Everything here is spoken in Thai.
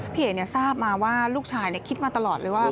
พี่เอ๋ทราบมาว่าลูกชายคิดมาตลอดเลยว่า